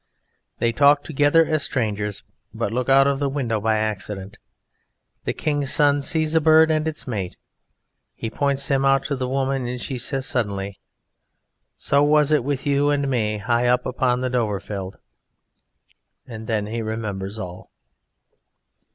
They talk together as strangers; but looking out of the window by accident the King's son sees a bird and its mate; he points them out to the woman, and she says suddenly: "So was it with you and me high up upon the Dovrefjeld." Then he remembers all.